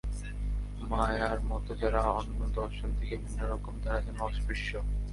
মায়ার মতো যারা অন্য দশজন থেকে ভিন্ন রকম, তারা যেন অস্পৃশ্য।